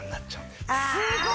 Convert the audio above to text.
すごい！